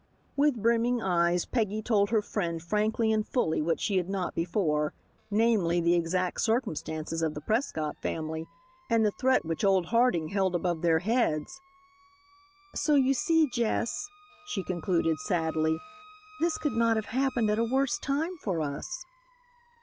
With brimming eyes Peggy told her friend frankly and fully what she had not before, namely, the exact circumstances of the Prescott family and the threat which old Harding held above their heads. "So, you see, Jess," she concluded sadly, "this could not have happened at a worse time for us."